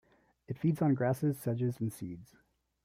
It feeds on grasses, sedges and seeds.